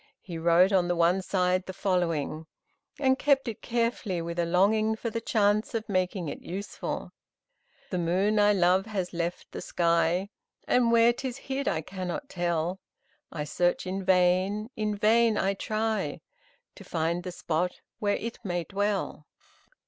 He wrote on one side the following, and kept it carefully, with a longing for the chance of making it useful: "The moon I love has left the sky, And where 'tis hid I cannot tell; I search in vain, in vain I try To find the spot where it may dwell."